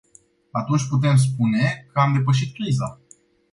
Atunci putem spune că am depășit criza.